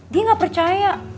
dia gak percaya